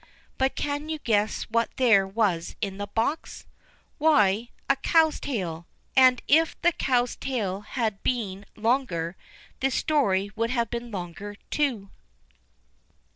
But can you guess what there was in the box? Why, a cow's tail; and if the cow's tail had been longer, this story would have been longer too.